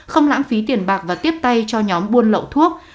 không lãng phí tiền bạc và tiếp tay cho nhóm buôn lậu thuốc